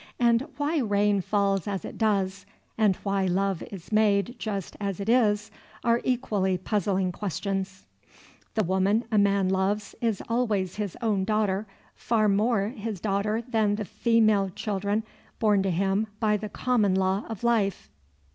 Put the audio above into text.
And why rain falls as it does and why love is made just as it is are equally puzzling questions. The woman a man loves is always his own daughter, far more his daughter than the female children born to him by the common law of life.